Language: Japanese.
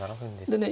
でね